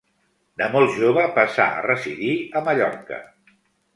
De molt jove passà a residir a Mallorca.